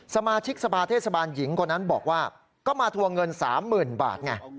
สมาชิกสภาเทศบาลหญิงคนนั้นบอกว่าก็มาทัวร์เงิน๓๐๐๐บาทไง